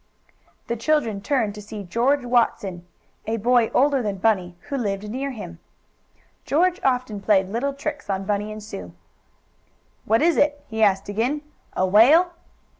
The children turned to see George Watson, a boy older than Bunny, who lived near him. George often played little tricks on Bunny and Sue. "What is it?" he asked again. "A whale?"